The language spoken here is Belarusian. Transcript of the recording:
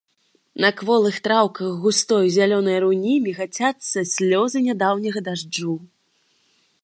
На кволых траўках густой зялёнай руні мігацяцца слёзы нядаўняга дажджу.